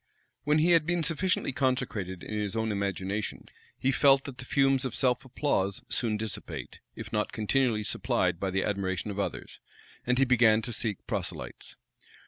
When he had been sufficiently consecrated in his own imagination, he felt that the fumes of self applause soon dissipate, if not continually supplied by the admiration of others; and he began to seek proselytes.